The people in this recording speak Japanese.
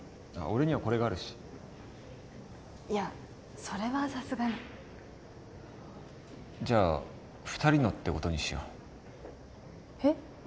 俺にはこれがあるしいやそれはさすがにじゃあ二人のってことにしようえっ？